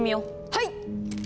はい！